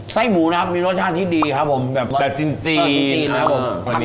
ไส้หมูนะครับมีรสชาติที่ดีครับผมแบบว่าแบบจีนครับผม